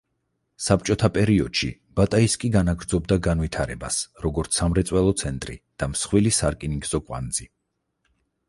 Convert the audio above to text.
საბჭოთა პერიოდში ბატაისკი განაგრძობდა განვითარებას, როგორც სამრეწველო ცენტრი და მსხვილი სარკინიგზო კვანძი.